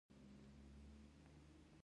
دویمه ځانګړتیا د دوی بې خبري ده.